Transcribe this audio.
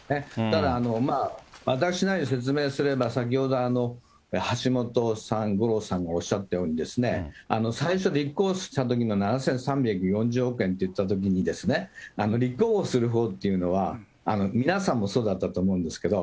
ただ、私なりに説明すれば、先ほど橋本さん、五郎さんがおっしゃったようにですね、最初、立候補したときの７３４０億円っていったときにですね、立候補する候補っていうのは、皆さんもそうだったと思うんですけど、